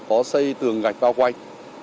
có xây tường gạch bao quanh